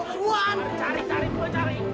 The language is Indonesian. tuh lama gua ketok loh